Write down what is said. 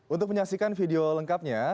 untuk menyaksikan video lengkapnya